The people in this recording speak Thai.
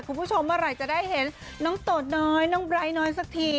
คุณผู้ชมเมื่อไหร่จะได้เห็นน้องโตน้อยน้องไบร์ทน้อยสักที